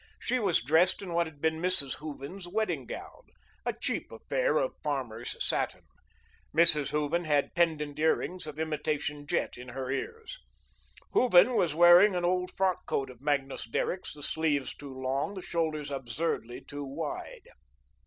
She was dressed in what had been Mrs. Hooven's wedding gown, a cheap affair of "farmer's satin." Mrs. Hooven had pendent earrings of imitation jet in her ears. Hooven was wearing an old frock coat of Magnus Derrick's, the sleeves too long, the shoulders absurdly too wide.